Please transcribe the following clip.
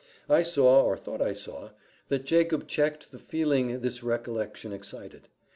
I saw, or thought I saw, that Jacob checked the feeling this recollection excited.